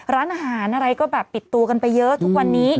ร้านอาหารอะไรก็แบบปิดตัวกันไปเยอะทุกวันนี้